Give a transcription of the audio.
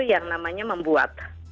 yang namanya membuat